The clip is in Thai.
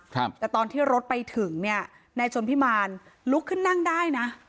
ครับแต่ตอนที่รถไปถึงเนี่ยนายชนพิมารลุกขึ้นนั่งได้นะ